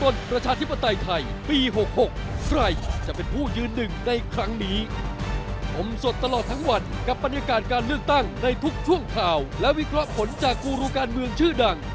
เลือกประธานก่อนเน้นทำงาน